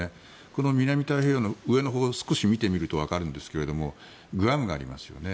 この南太平洋の上のほうを少し見てみるとわかるんですがグアムがありますよね。